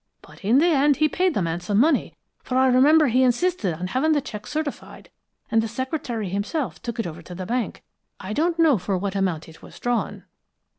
But in the end, he paid the man some money, for I remember he insisted on having the check certified, and the secretary himself took it over to the bank. I don't know for what amount it was drawn."